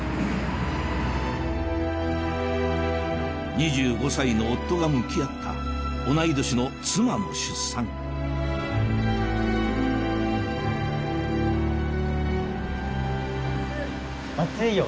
２５歳の夫が向き合った同い年の妻の出産暑いよ。